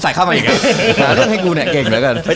เดี๋ยวเราเนื้อหน้าจะผูกเรื่องนั้นเนื้อหน้า